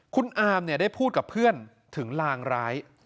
คุณอาร์มเนี่ยได้พูดกับเพื่อนถึงล้างร้าย